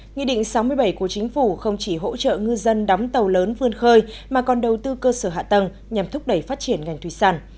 nghị định sáu mươi bảy của chính phủ không chỉ hỗ trợ ngư dân đóng tàu lớn vươn khơi mà còn đầu tư cơ sở hạ tầng nhằm thúc đẩy phát triển ngành thủy sản